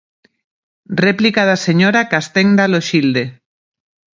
Réplica da señora Castenda Loxilde.